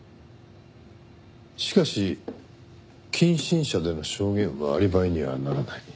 しかし近親者の証言はアリバイにはならない。